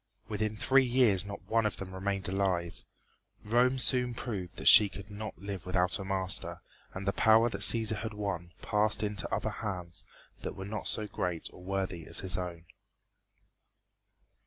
Within three years not one of them remained alive. Rome soon proved that she could not live without a master, and the power that Cæsar had won passed into other hands that were not so great or worthy as his own.